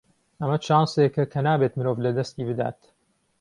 ئەمە چانسێکە کە نابێت مرۆڤ لەدەستی بدات.